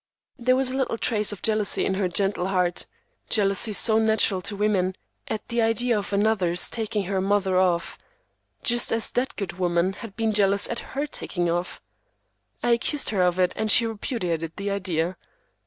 There was a little trace of jealousy in her gentle heart—jealousy so natural to women—at the idea of another's taking her mother off, just as that good woman had been jealous at her taking off. I accused her of it, and she repudiated the idea.